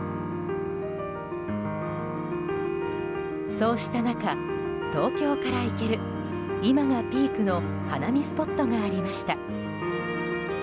そうした中、東京から行ける今がピークの花見スポットがありました。